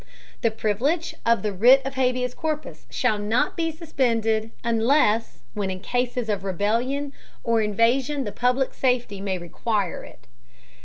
The Privilege of the Writ of Habeas Corpus shall not be suspended, unless when in Cases of Rebellion or Invasion the public Safety may require it.